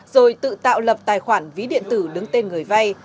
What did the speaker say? rồi tự tạo lập tài khoản ví điện tử đứng tên người vay